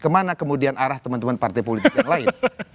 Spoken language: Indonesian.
kemana kemudian arah teman teman partai politik yang lain